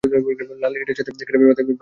লাল ইটের সাথে বেটে প্রাথমিক চিকিৎসা করা হয়।